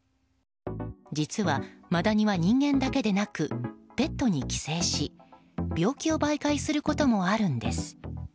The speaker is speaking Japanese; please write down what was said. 実はマダニは人間だけでなくペットに寄生し病気を媒介することもあるんです。